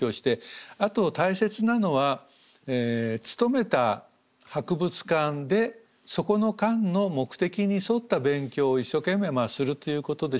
あと大切なのは勤めた博物館でそこの館の目的に沿った勉強を一生懸命するということでしょうね。